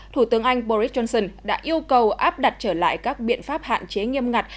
thủ tướng anh boris johnson đã yêu cầu áp đặt trở lại các biện pháp hạn chế nghiêm ngặt